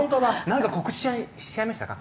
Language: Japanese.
なんか告知しちゃいましたか？